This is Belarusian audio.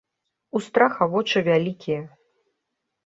У страха вочы вялікія.